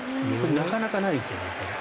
なかなかないですよね。